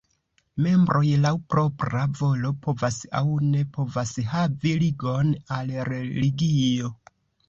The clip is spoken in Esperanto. Membroj laŭ propra volo povas aŭ ne povas havi ligon al religio.